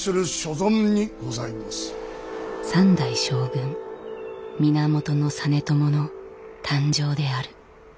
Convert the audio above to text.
三代将軍源実朝の誕生である。